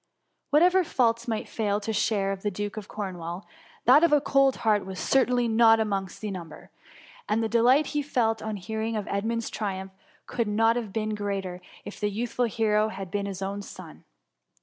Whatever faults might fall to the share of the wm THE MUMMT. 57 Duke of Cornwall, that of a cold heart was cer tainly not amongst the number, and the de light he felt on hearing of Edmund's triumph could not have been greater if the youthful hero had been his own son.